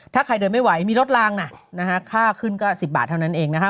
ถ้าใครเดินไม่ไหวมีรถลางนะค่าขึ้นก็๑๐บาทเท่านั้นเองนะคะ